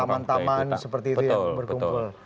taman taman seperti itu ya berkumpul